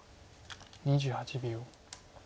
２８秒。